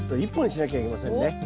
１本にしなきゃいけませんね。